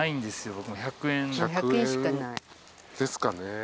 １００円ですかね。